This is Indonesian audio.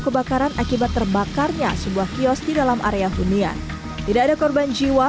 kebakaran akibat terbakarnya sebuah kios di dalam area hunian tidak ada korban jiwa